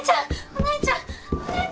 お姉ちゃん！